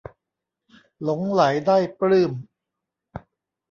หลงใหลได้ปลื้ม